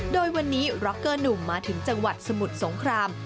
โดยวันนี้ร็อกเกอร์หนุ่มมาถึงจังหวัดสมุทรสงคราม